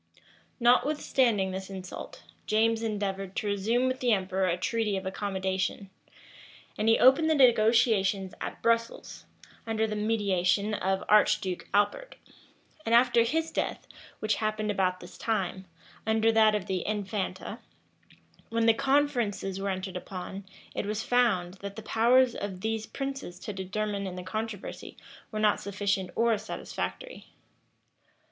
Notwithstanding this insult, James endeavored to resume with the emperor a treaty of accommodation; and he opened the negotiations at Brussels, under the mediation of Archduke Albert; and, after his death, which happened about this time, under that of the infanta: when the conferences were entered upon, it was found, that the powers of these princes to determine in the controversy were not sufficient or satisfactory.